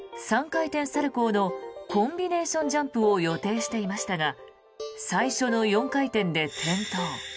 ３回転サルコウのコンビネーションジャンプを予定していましたが最初の４回転で転倒。